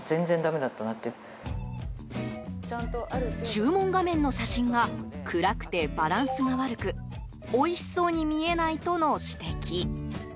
注文画面の写真が暗くてバランスが悪くおいしそうに見えないとの指摘。